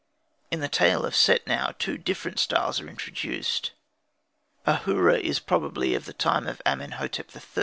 In the tale of Setnau two different styles are introduced. Ahura is probably of the time of Amenhotep III.